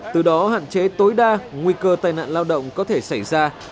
từ đó hạn chế tối đa nguy cơ tai nạn lao động có thể xảy ra